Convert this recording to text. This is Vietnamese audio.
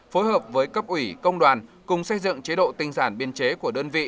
phối hợp với cấp ủy công đoàn cùng xây dựng chế độ tinh giản biên chế của đơn vị